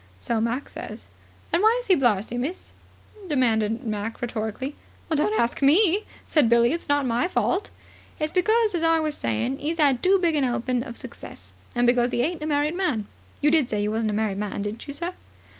"So Mac says." "And why is he blarzy, miss?" demanded Mac rhetorically. "Don't ask me," said Billie. "It's not my fault." "It's because, as I was saying, 'e's 'ad too big a 'elping of success, and because 'e ain't a married man. You did say you wasn't a married man, didn't you, sir?"